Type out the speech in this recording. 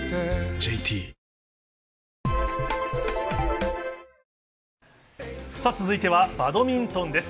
ＪＴ続いてはバドミントンです。